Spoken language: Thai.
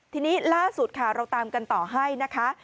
ทีนี้ล่าสุดค่ะเราตามกันต่อให้นะคะ